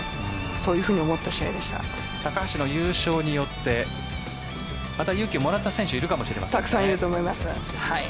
そういうふうに思った高橋の優勝によってまた勇気をもらった選手いるかもしれません。